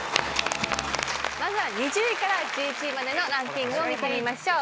まずは２０位から１１位までのランキングを見てみましょう。